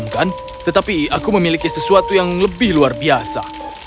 bukan tetapi aku memiliki sesuatu yang lebih luar biasa